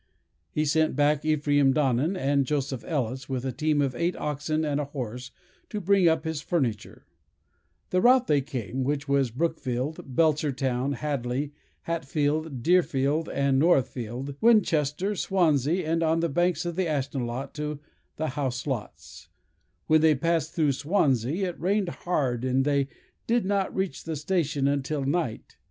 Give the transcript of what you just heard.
He sent back Ephraim Donnan and Joseph Ellis with a team of eight oxen and a horse, to bring up his furniture. The route they came, which was probably then the best, if not the only one, led through Concord, Worcester, Brookfield, Belchertown, Hadley, Hatfield, Deerfield, Northfield, Winchester, Swanzey, and on the banks of the Ashnelot, to the house lots. When they passed through Swanzey, it rained hard, and they did not reach the station until night.